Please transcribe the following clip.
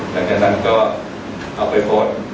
หลังจากนั้นก็เอาไปโพสต์